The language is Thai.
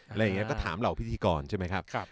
อะไรอย่างนี้ก็ถามเหล่าพิธีกรใช่ไหมครับ